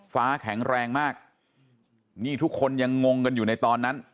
แข็งแรงมากนี่ทุกคนยังงงกันอยู่ในตอนนั้น